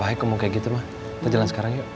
gak baik kamu kayak gitu ma kita jalan sekarang yuk